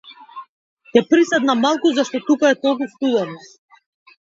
Ќе приседнам малку зашто тука е толку студено.